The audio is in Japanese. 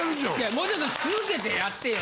もうちょっと続けてやってよ